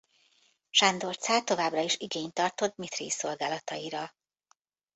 Sándor cár továbbra is igényt tartott Dmitrij szolgálataira.